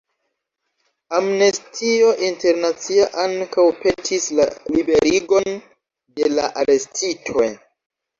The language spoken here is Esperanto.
Amnestio Internacia ankaŭ petis la liberigon de la arestitoj.